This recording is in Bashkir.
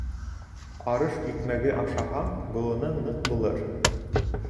Арыш икмәге ашаһаң, быуының ныҡ булыр.